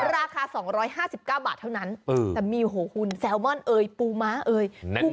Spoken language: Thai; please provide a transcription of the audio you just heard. ราคา๒๕๙บาทเท่านั้นแต่มีโอ้โหคุณแซลมอนเอ่ยปูม้าเอ่ย